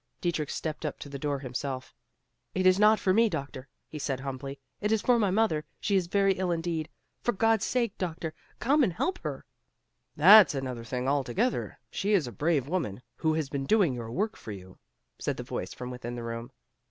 Dietrich stepped up to the door himself. "It is not for me, doctor," said he humbly, "it is for my mother; she is very ill indeed. For God's sake, doctor, come and help her!" "That's another thing altogether; she is a brave woman, who has been doing your work for you," said the voice from within the room.